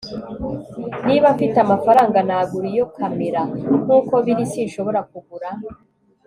niba mfite amafaranga, nagura iyo kamera. nkuko biri, sinshobora kugura